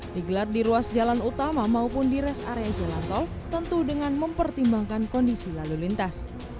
digelar di ruas jalan utama maupun di rest area jalan tol tentu dengan mempertimbangkan kondisi lalu lintas